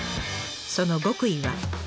その極意は。